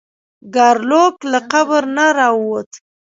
ګارلوک له قبر نه راووت.